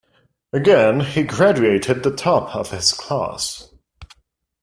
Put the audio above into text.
Again, he graduated the top of his class.